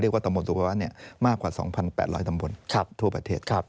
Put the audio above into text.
เรียกว่าตำบลทุกข์ภาวะนี้มากกว่า๒๘๐๐ตำบลทั่วประเทศ